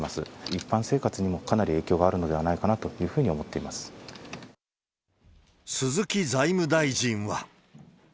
一般生活にもかなり影響があるのではないかなというふうに思って鈴木財務大臣は。